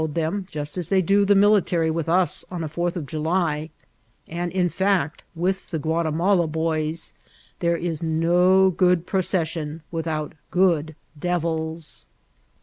ed them, just as they do the military with US on a fourth of July ; and, in fact, with the Guotimala boys, there is no good procession without good Devils.